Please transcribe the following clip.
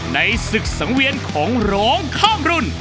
ในศึกสังเวียนของร้องข้ามรุ่น